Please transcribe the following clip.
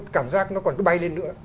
cảm giác nó còn cứ bay lên nữa